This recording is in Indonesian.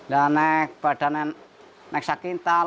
nah ini pada saat itu ini saki itu